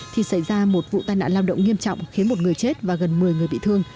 thì xảy ra một vụ tai nạn lao động nghiêm trọng khiến một người chết và gần một mươi người bị thương